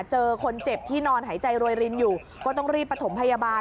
เจอคนเจ็บที่นอนหายใจโรยรินอยู่ก็ต้องรีบประถมพยาบาล